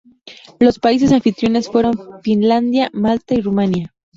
Los países anfitriones fueron Finlandia, Malta y Rumanía.